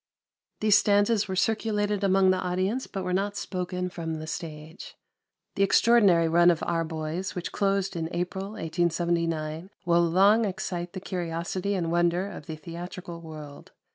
These stanzas were circulated among the audience, but were not spoken from the stage. The extraordinary run of Our Boys, which closed in April, 1879, will long excite the curiosity and wonder of the theatrical world.